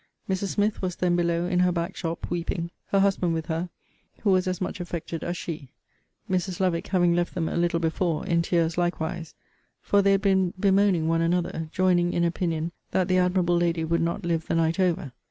Mrs. Smith was then below in her back shop, weeping, her husband with her, who was as much affected as she; Mrs. Lovick having left them a little before, in tears likewise; for they had been bemoaning one another; joining in opinion that the admirable lady would not live the night over.